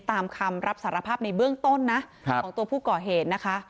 ตามคำรับสารภาพในเบื้องต้นนะของตัวผู้ก่อเหตุนะคะ